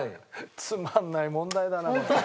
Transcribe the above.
つまんない問題だなおい。